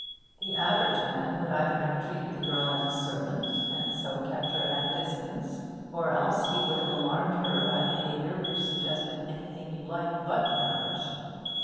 The average man would either have treated the girl as a servant, and so kept her at her distance, or else he would have alarmed her by behaviour which suggested anything you like but marriage.